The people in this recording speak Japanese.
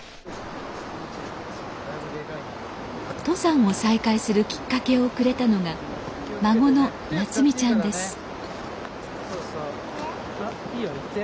登山を再開するきっかけをくれたのが孫のなつみちゃんです